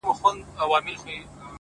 o دا خو رښتيا خبره،